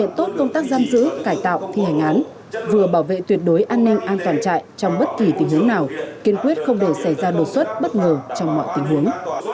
tốt công tác giam giữ cải tạo thi hành án vừa bảo vệ tuyệt đối an ninh an toàn chạy trong bất kỳ tình huống nào kiên quyết không để xảy ra đột xuất bất ngờ trong mọi tình huống